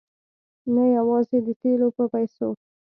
نه یوازې د تېلو په پیسو.